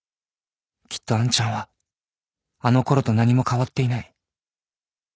きっと杏ちゃんはあのころと何も変わっていない